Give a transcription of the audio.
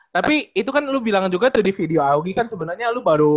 tapi itu kan lu bilang juga tuh di video augie kan sebenarnya lu baru